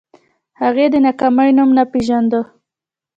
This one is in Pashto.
هغې د ناکامۍ نوم نه پېژانده